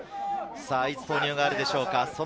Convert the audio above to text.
いつ投入があるでしょうか？